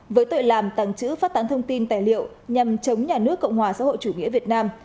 với tội làm tàng trữ phát tán thông tin tài liệu nhằm chống nhà nước cộng hòa xã hội chủ nghĩa việt nam